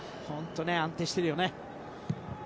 本当、安定しているよね。